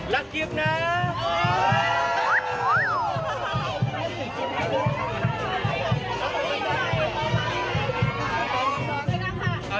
รักกิ๊บนะ